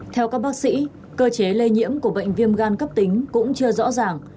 theo các bác sĩ cơ chế lây nhiễm của bệnh viêm gan cấp tính cũng chưa rõ ràng